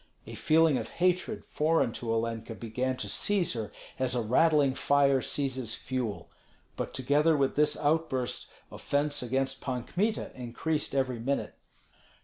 A feeling of hatred foreign to Olenka began to seize her as a rattling fire seizes fuel; but together with this outburst offence against Pan Kmita increased every minute.